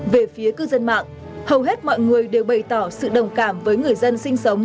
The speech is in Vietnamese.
về phía cư dân mạng hầu hết mọi người đều bày tỏ sự đồng cảm với người dân sinh sống